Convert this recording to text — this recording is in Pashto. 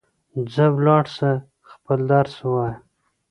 ځه ولاړ سه ، خپل درس ووایه